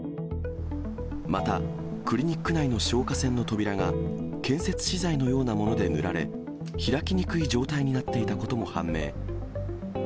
また、クリニック内の消火栓の扉が、建設資材のようなもので塗られ、開きにくい状態になっていたことも判明。